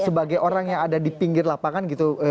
sebagai orang yang ada di pinggir lapangan gitu